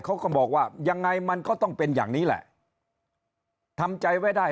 เขาก็บอกว่ายังไงมันก็ต้องเป็นอย่างนี้แหละทำใจไว้ได้